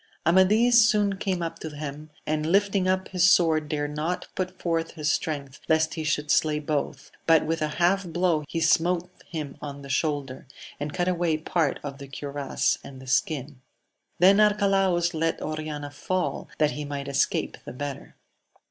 Amadis soon came up ' to them, and lifting up his sword dared not put forth his strength lest he should slay both, but with a half blow he smote him on the shoulder, and cut away part of the cuirass and the skin ; then Arcalaus let Oriana fall, that he might escape the better.